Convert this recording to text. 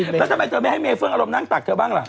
แล้วทำไมเธอไม่ให้เมเฟื่องอารมณ์นั่งตักเธอบ้างล่ะ